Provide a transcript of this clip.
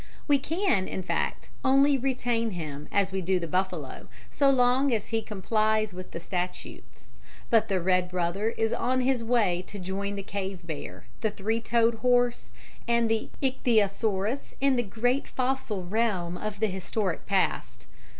We can, in fact, only retain him as we do the buffalo, so long as he complies with the statutes. But the red brother is on his way to join the cave bear, the three toed horse, and the ichthyosaurus in the great fossil realm of the historic past.